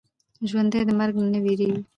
ژوندي د مرګ نه وېرېږي